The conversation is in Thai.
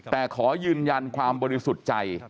แต่ขอยืนยันความบริสุทธิ์ใจ